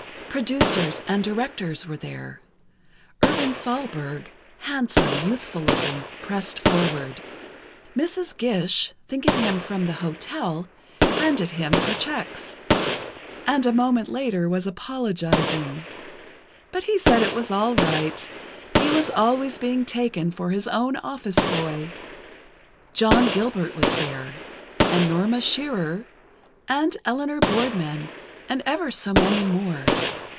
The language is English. Producers and directors were there. Irving Thalberg, handsome, youthful looking, pressed forward. Mrs. Gish, thinking him from the hotel, handed him her checks, and a moment later was apologizing. But he said it was all right—he was always being taken for his own office boy. John Gilbert was there, and Norma Shearer, and Eleanor Boardman, and ever so many more.